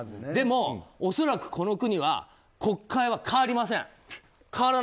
でも、恐らくこの国は国会は変わりません。